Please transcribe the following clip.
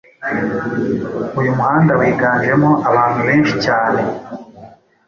uyu muhanda wiganjemo abantu benshi cyane,